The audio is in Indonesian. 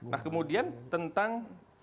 nah kemudian tentang